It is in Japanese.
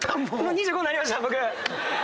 ２５になりました僕。